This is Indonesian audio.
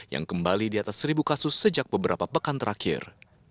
yang kembali di atas seribu kasus sejak beberapa pekan terakhir